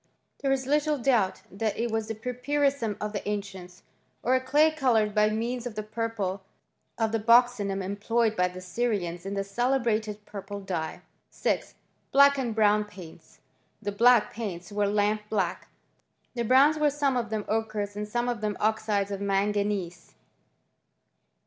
There is little doubt that it was the pwrpfu^ rissum of the ancients, or a clay coloured by means of the purple of the buccinum employed by the Syrians in the celebrated purple dye. 6. Black and brown paints. The black paints were lamp black : the browns were some of them ochres and some of them oxides of manganese.